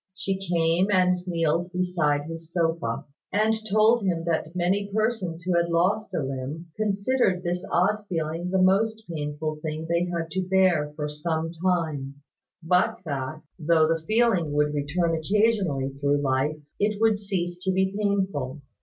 She came and kneeled beside his sofa, and told him that many persons who had lost a limb considered this odd feeling the most painful thing they had to bear for some time; but that, though the feeling would return occasionally through life, it would cease to be painful.